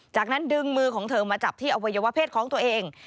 จากนั้นดึงมือของเธอมาจับที่อวัยวะเพศของตัวเอง